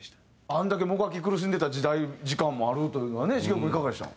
あれだけもがき苦しんでた時代時間もあるというのはね茂雄君いかがでした？